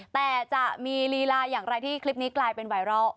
แต่จะมีลีลาอย่างไรที่คลิปนี้กลายเป็นไวรัล